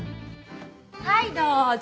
はいどうぞ。